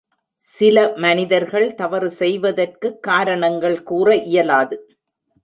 சில மனிதர்கள் தவறு செய்வதற்குக் காரணங்கள் கூற இயலாது.